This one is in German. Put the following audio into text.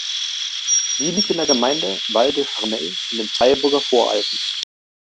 Sie liegt in der Gemeinde Val-de-Charmey in den Freiburger Voralpen.